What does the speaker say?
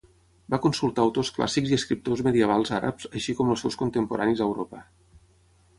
Va consultar autors clàssics i escriptors medievals àrabs, així com els seus contemporanis a Europa.